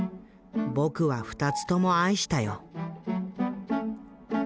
僕は２つとも愛したよ」。